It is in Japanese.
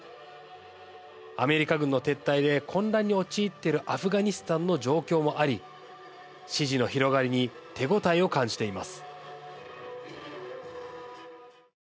アメリカ軍の撤退で混乱に陥っているアフガニスタンの状況もあり支持の広がりに手応えを感じています。